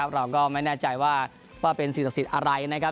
เราก็ไม่แน่ใจว่าเป็นสิ่งศักดิ์สิทธิ์อะไรนะครับ